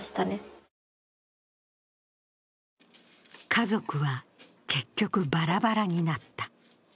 家族は結局バラバラになった。